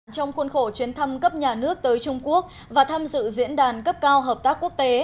trong khuôn khổ chuyến thăm cấp nhà nước tới trung quốc và tham dự diễn đàn cấp cao hợp tác quốc tế